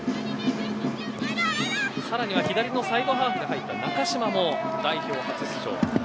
さらには左サイドハーフに入った中嶋も代表初出場。